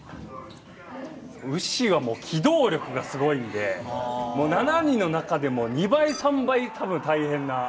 ウシは機動力がすごいので７人の中でも２倍３倍多分大変な。